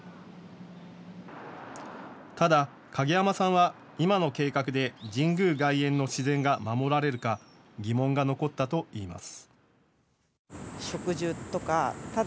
ただ、蔭山さんは今の計画で神宮外苑の自然が守られるか疑問が残ったといいます。